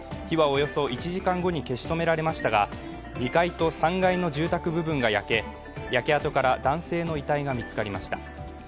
火はおよそ１時間後に消し止められましたが、２階と３階の住宅部分が焼け焼け跡から男性の遺体が見つかりました。